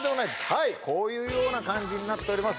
はいこのような感じになっております